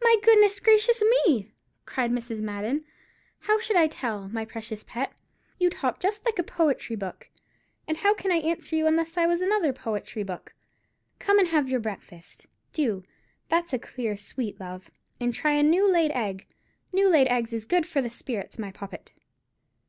"My goodness gracious me!" cried Mrs. Madden, "how should I tell, my precious pet? You talk just like a poetry book, and how can I answer you unless I was another poetry book? Come and have your breakfast, do, that's a dear sweet love, and try a new laid egg. New laid eggs is good for the spirits, my poppet."